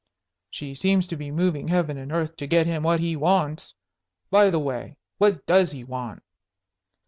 "She seems to be moving heaven and earth to get him what he wants. By the way, what does he want?"